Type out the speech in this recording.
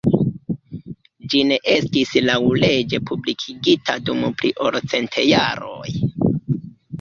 Ĝi ne estis laŭleĝe publikigita dum pli ol cent jaroj.